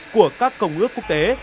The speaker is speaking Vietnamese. của các công ước quốc tế